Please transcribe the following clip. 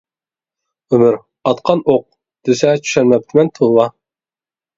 ‹ ‹ئۆمۈر ئاتقان ئوق› › دېسە، چۈشەنمەپتىمەن، توۋا.